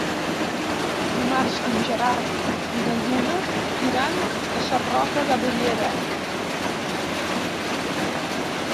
Dimarts en Gerard i na Duna iran a Sarroca de Bellera.